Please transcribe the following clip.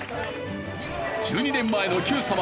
１２年前の『Ｑさま！！』